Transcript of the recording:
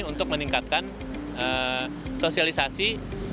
untuk meningkatkan sosialisasi